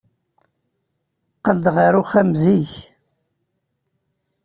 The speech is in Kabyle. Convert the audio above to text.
Qqel-d ɣer uxxam zik.